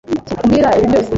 Kuki umbwira ibi byose?